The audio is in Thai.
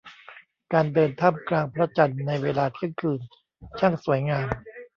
การเดินท่ามกลางพระจันทร์ในเวลาเที่ยงคืนช่างสวยงาม